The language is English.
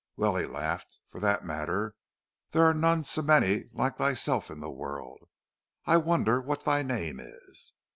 "Well," he laughed, "for that matter there are none so many like thyself in the world. I wonder what thy name is?"